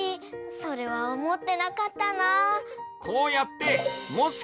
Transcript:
それはおもってなかったな。